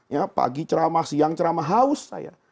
ya pagi ceramah siang ceramah haus saya